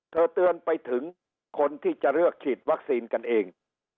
เตือนไปถึงคนที่จะเลือกฉีดวัคซีนกันเอง